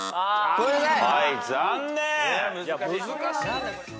ごめんなさい。